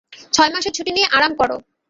ছয় মাসের ছুটি নিয়ে আরাম করো।